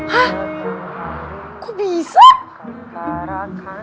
hah kok bisa